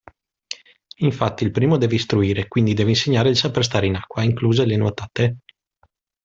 Infatti, il primo deve istruire quindi deve insegnare il saper stare in acqua, incluse le nuotate.